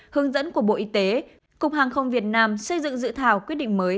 hướng dẫn của bộ y tế cục hàng không việt nam xây dựng dự thảo quyết định mới